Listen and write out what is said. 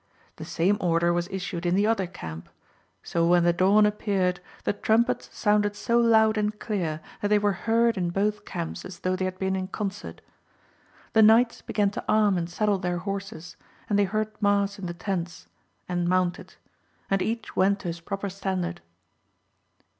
The same order was issued in the other camp: so when the dawn appeared, the trumpets sounded so loud and clear that they were heard in both camps as though they had been in concert. The knights began to arm and saddle their horses ; and they heard mass in the tents, and mounted ; and each went to his proper standard.